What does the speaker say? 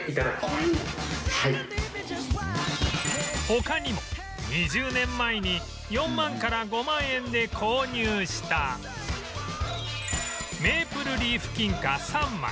他にも２０年前に４万から５万円で購入したメイプルリーフ金貨３枚